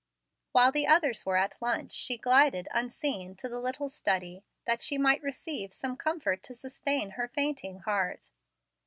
While the others were at lunch, she glided, unseen, to the little study, that she might receive some comfort to sustain her fainting heart.